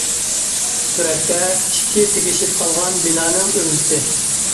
سۈرەتتە: ئىككى تېگىشىپ قالغان بىنانىڭ ئۆگزىسى.